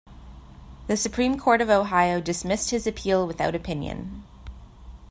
The Supreme Court of Ohio dismissed his appeal without opinion.